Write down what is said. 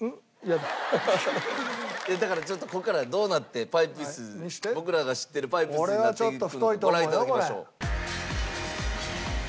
だからちょっとここからどうなってパイプ椅子僕らが知ってるパイプ椅子になっていくのかご覧頂きましょう。